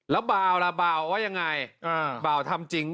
นะเบาและเบาว่ายังไงเบาทำจริงไหม